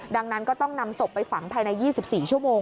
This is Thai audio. ดังนั้นก็ต้องนำศพไปฝังภายใน๒๔ชั่วโมง